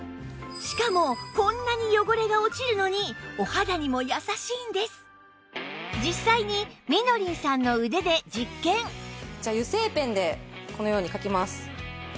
しかもこんなに汚れが落ちるのに実際にみのりんさんの腕で実験じゃあ油性ペンでこのように書きます。